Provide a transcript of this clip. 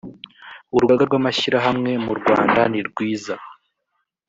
urugaga rw amashyirahamwe murwanda nirwiza